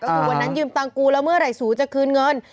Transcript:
ก็คือวันนั้นยืมตังกูแล้วเมื่อไหร่สูจะคืนเงิน